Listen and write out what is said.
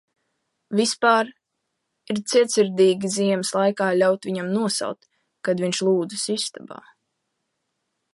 Vispār - ir cietsirdīgi ziemas laikā ļaut viņam nosalt, kad viņš lūdzas istabā...